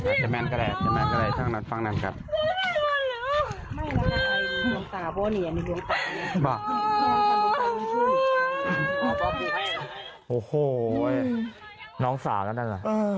โอ้โฮน้องสาวก็นั่นเหรอ